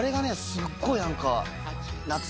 すっごい何か。